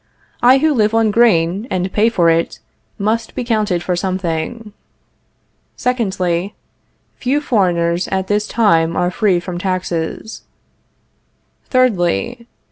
I who live on grain, and pay for it, must be counted for something. Secondly. Few foreigners at this time are free from taxes. Thirdly.